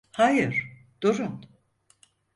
Hayır, durun!